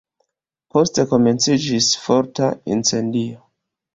Poste komenciĝis forta incendio.